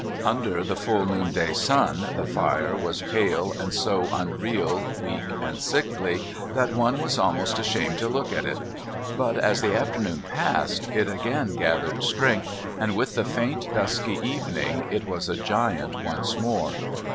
Under the full noonday sun the fire was pale and so unreal, weak, and sickly, that one was almost ashamed to look at it. But as the afternoon passed, it again gathered strength, and with the faint, dusky evening it was a giant once more.